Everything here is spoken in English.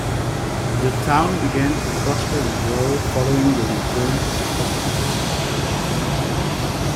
The town began to prosper and grow following the return of the populace.